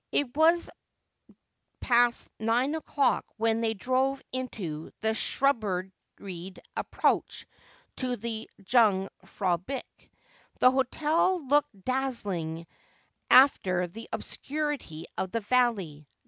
It was past nine o'clcck when they drove into the shrub beried approach to the Jungfraublich. The hotel looked daz zling after the obscurity of the valley.